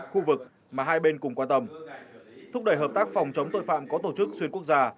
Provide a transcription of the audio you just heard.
khu vực mà hai bên cùng quan tâm thúc đẩy hợp tác phòng chống tội phạm có tổ chức xuyên quốc gia